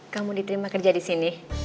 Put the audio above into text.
kamu diterima kerja di sini